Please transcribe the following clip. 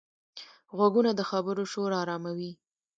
غوږونه د خبرو شور آراموي